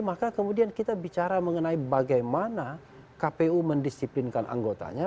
maka kemudian kita bicara mengenai bagaimana kpu mendisiplinkan anggotanya